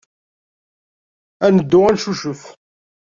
Ad neddu ad neccucef.